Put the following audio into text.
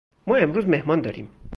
ما امروز مهمان داریم.